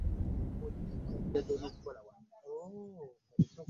Abalambuzi basula mu wooteeri.